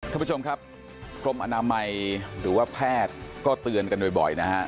ท่านผู้ชมครับกรมอนามัยหรือว่าแพทย์ก็เตือนกันบ่อยนะฮะ